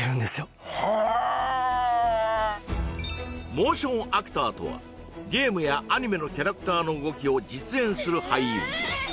モーションアクターとはゲームやアニメのキャラクターの動きを実演する俳優